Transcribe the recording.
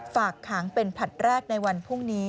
ฝากขังเป็นผลัดแรกในวันพรุ่งนี้